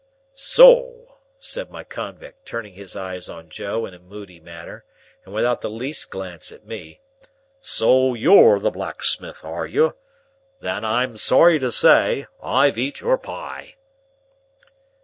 "So," said my convict, turning his eyes on Joe in a moody manner, and without the least glance at me,—"so you're the blacksmith, are you? Than I'm sorry to say, I've eat your pie."